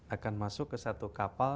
akan masuk ke satu kapal